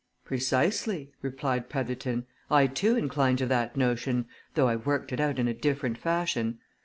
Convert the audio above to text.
"Precisely," replied Petherton. "I, too, incline to that notion, though I've worked it out in a different fashion.